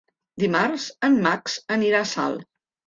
Dimarts en Max anirà a Salt.